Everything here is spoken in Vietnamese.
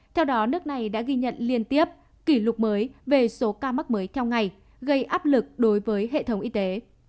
theo đó nước này đã ghi nhận liên tiếp kỷ lục mới về số ca mắc mới theo ngày gây áp lực đối với hệ thống y tế